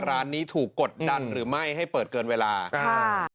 ร้านนี้ถูกกดดันหรือไม่ให้เปิดเกินเวลาอ่า